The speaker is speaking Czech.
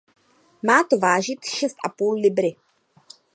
Má to vážit šest a půl libry.